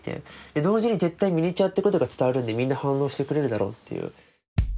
同時に絶対ミニチュアってことが伝わるんでみんな反応してくれるだろうという。